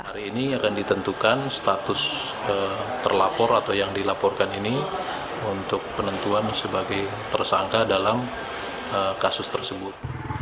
hari ini akan ditentukan status terlapor atau yang dilaporkan ini untuk penentuan sebagai tersangka dalam kasus tersebut